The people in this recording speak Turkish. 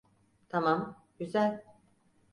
Tamam, güzel.